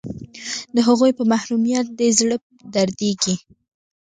د هغوی په محرومیت دې زړه دردیږي